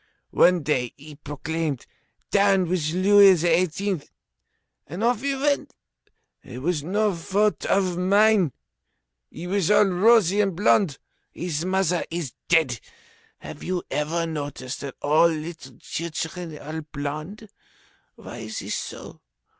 One day he exclaimed: Down with Louis XVIII.! and off he went. It was no fault of mine. He was all rosy and blond. His mother is dead. Have you ever noticed that all little children are blond? Why is it so?